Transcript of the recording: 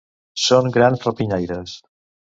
Són grans rapinyaires.